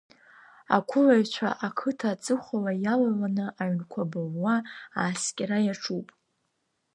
Ақәылаҩцәа ақыҭа аҵыхәала иалаланы аҩнқәа былуа ааскьара иаҿуп!